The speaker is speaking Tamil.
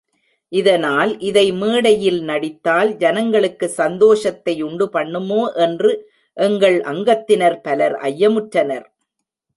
இதனால், இதை மேடையில் நடித்தால் ஜனங்களுக்குச் சந்தோஷத்தையுண்டு பண்ணுமோ என்று எங்கள் அங்கத்தினர் பலர் ஐயமுற்றனர்.